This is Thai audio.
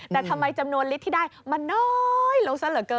แต่ทำไมจำนวนลิตรที่ได้มันน้อยลงซะเหลือเกิน